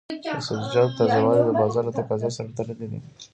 د سبزیجاتو تازه والی د بازار د تقاضا سره تړلی دی.